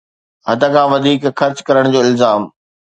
حد کان وڌيڪ خرچ ڪرڻ جو الزام